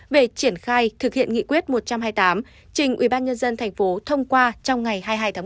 về triển khai thực hiện nghị quyết một trăm hai mươi tám trình ubnd tp thông qua trong ngày hai mươi hai tháng một